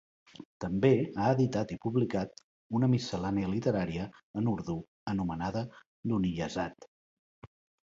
També ha editat i publicat una miscel·lània literària en urdú anomenada "Duniyazad".